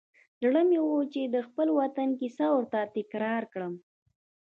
زړه مې و چې د خپل وطن کیسه ورته تکرار کړم.